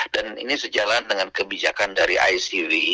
dan ini sejalan dengan kebijakan dari icb